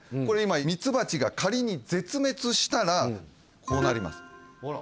これ今ミツバチが仮に絶滅したらこうなります